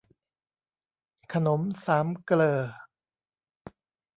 ขนมสามเกลอ